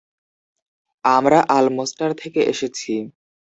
আমরা আলমোস্টার থেকে এসেছি।